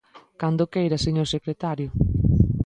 Cando queira, señor secretario.